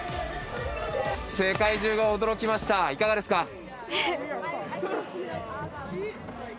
世界中が驚きました、いかがですか？